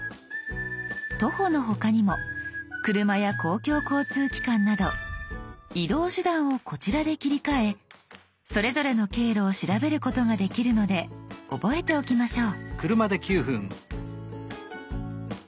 徒歩の他にも車や公共交通機関など移動手段をこちらで切り替えそれぞれの経路を調べることができるので覚えておきましょう。